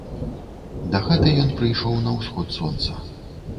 Дахаты ён прыйшоў на ўсход сонца.